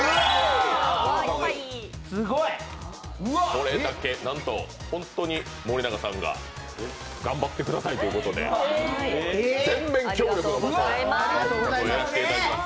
これだけ、本当に森永さんが、頑張ってくださいということで全面協力のもとやらせていただきます。